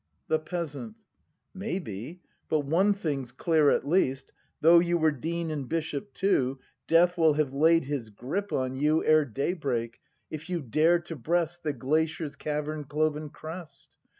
The Peasant. Maybe; but one thing's clear at least; Though you were dean and bishop too. Death will have' laid his grip on you Ere daybreak, if you dare to breast The glacier's cavern cloven crest.